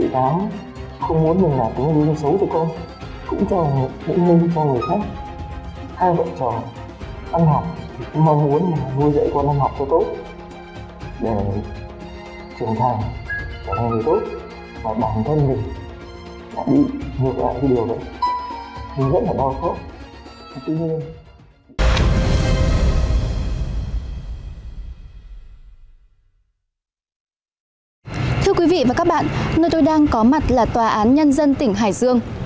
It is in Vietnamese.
thưa quý vị và các bạn nơi tôi đang có mặt là tòa án nhân dân tỉnh hải dương